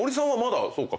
そうか。